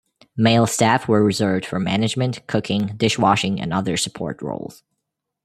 Male staff were reserved for management, cooking, dishwashing and other support roles.